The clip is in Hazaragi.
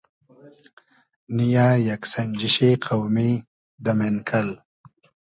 نییۂ یئگ سئنجیشی قۆمی دۂ مېنکئل